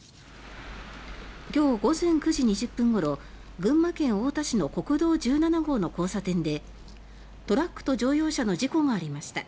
今日午前９時２０分ごろ群馬県太田市の国道１７号の交差点で「トラックと乗用車の事故がありました。